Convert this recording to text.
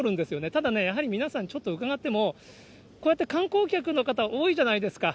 ただね、やはり皆さんちょっと伺っても、こうやって観光客の方、多いじゃないですか。